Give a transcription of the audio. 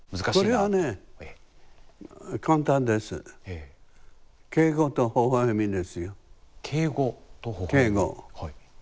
はい。